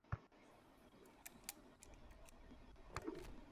তবে শুধু শিক্ষকদের চাঁদা বাড়ালেই হবে না, সরকার থেকেও টাকা দিতে হবে।